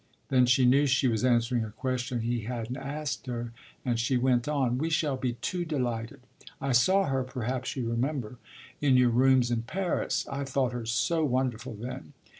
Then she knew she was answering a question he hadn't asked her, and she went on: "We shall be too delighted. I saw her perhaps you remember in your rooms in Paris. I thought her so wonderful then!